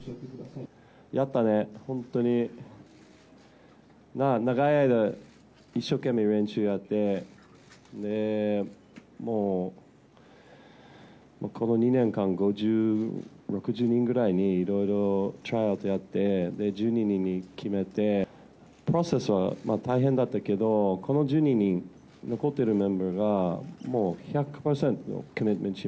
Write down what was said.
やったね、本当に長い間、一生懸命練習やって、で、もう、この２年間、６０人くらいにいろいろトライアウトやって、１２人に決めて、プロセスは大変だったけど、この１２人、残ってるメンバーが、もう１００％。